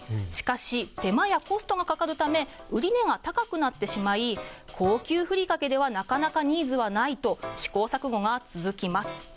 しかし手間やコストがかかるため売値が高くなってしまい高級ふりかけではなかなかニーズはないと試行錯誤が続きます。